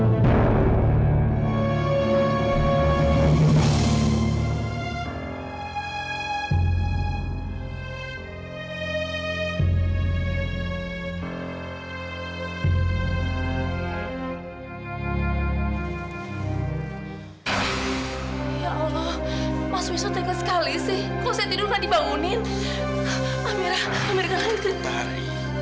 amirah amirah jangan ketar